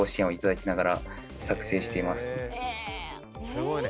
すごいね。